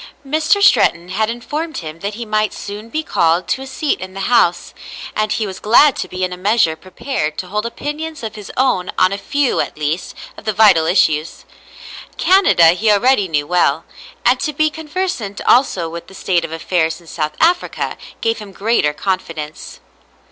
Mr. Stretton had informed him that he might soon be called to a seat in the House, and he was glad to be in a measure prepared to hold opinions of his own on a few, at least, of the vital issues. Canada he already knew well, and to be conversant also with the state of affairs in South Africa gave him greater confidence.